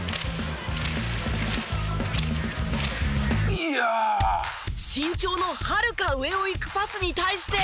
「いやあ」身長のはるか上をいくパスに対して。